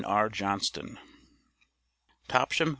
R. JOHNSTON. TOPSHAM, VT.